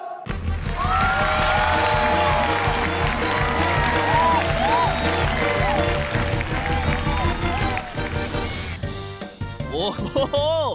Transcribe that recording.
ข้าวอร่อย